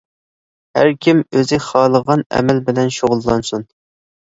ھەر كىم ئۆزى خالىغان ئەمەل بىلەن شۇغۇللانسۇن!